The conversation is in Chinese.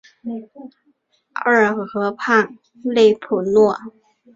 奥尔河畔勒普若。